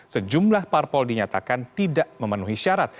sejumlah parpol dinyatakan tidak memenuhi syarat